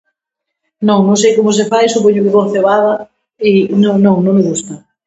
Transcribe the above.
Non, non sei como se fai, supoño que con cebada i non, non, non me gusta.